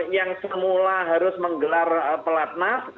yang semula harus menggelar pelatnas